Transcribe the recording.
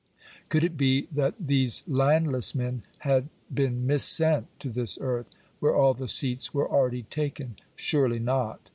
Could it be that these landless men had " been mis eent to this earth, where all the seats were already taken ?" Surely not.